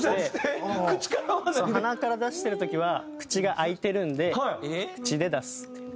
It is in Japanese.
鼻から出してる時は口が開いてるんで口で出す。